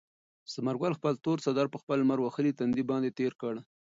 ثمر ګل خپل تور څادر په خپل لمر وهلي تندي باندې تېر کړ.